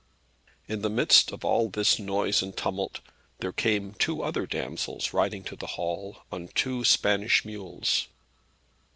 In the midst of all this noise and tumult, there came two other damsels riding to the hall on two Spanish mules.